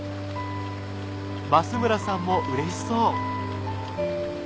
増村さんもうれしそう。